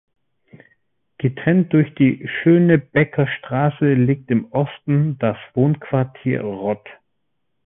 Getrennt durch die "Schönebecker Straße" liegt im Osten das Wohnquartier Rott.